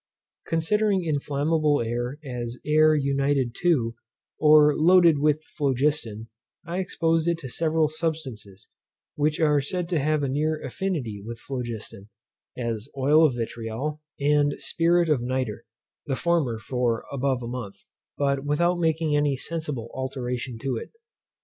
Considering inflammable air as air united to, or loaded with phlogiston, I exposed to it several substances, which are said to have a near affinity with phlogiston, as oil of vitriol, and spirit of nitre (the former for above a month), but without making any sensible alteration in it.